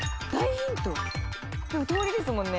「通りですもんね」